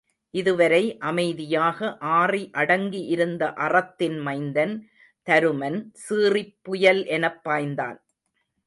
இதுவரை அமைதியாக ஆறி அடங்கி இருந்த அறத்தின் மைந்தன் தருமன் சீறிப் புயல் எனப் பாய்ந்தான்.